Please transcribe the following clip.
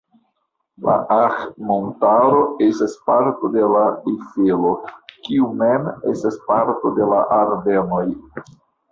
La Ahr-montaro estas parto de la Ejfelo, kiu mem estas parto de la Ardenoj.